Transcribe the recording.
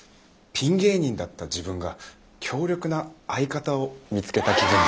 ピン芸人だった自分が強力な相方を見つけた気分です。